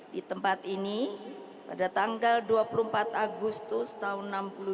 di tempat ini pada tanggal dua puluh empat agustus tahun seribu sembilan ratus enam puluh dua